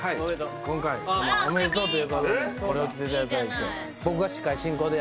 今回おめでとうということでこれを着ていただいてマジ？